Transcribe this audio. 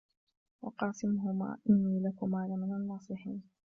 وقاسمهما إني لكما لمن الناصحين